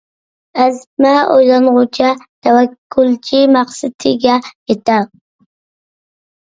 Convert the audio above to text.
ئەزمە ئويلانغۇچە تەۋەككۈلچى مەقسىتىگە يېتەر.